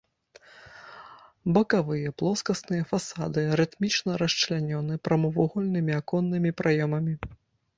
Бакавыя плоскасныя фасады рытмічна расчлянёны прамавугольнымі аконнымі праёмамі.